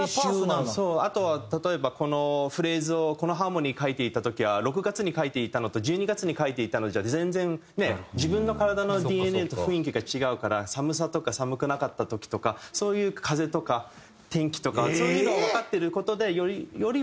あとは例えばこのフレーズをこのハーモニー書いていた時は６月に書いていたのと１２月に書いていたのじゃ全然ねえ自分の体のＤＮＡと雰囲気が違うから寒さとか寒くなかった時とかそういう風とか天気とかそういうのをわかってる事でよりより